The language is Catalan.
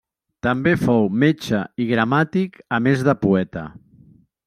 També fou metge i gramàtic a més de poeta.